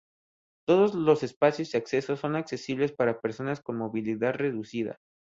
Todos los espacios y accesos, son accesibles para personas con movilidad reducida.